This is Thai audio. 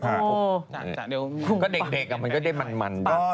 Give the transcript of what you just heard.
ก็เด็กอ่ะมันก็ได้มันด้วย